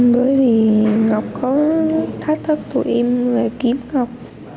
bởi vì ngọc có thách thức tụi em lại kiếm ngọc